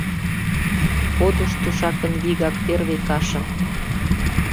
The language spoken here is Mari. Кодыш тушакын вигак первый кашым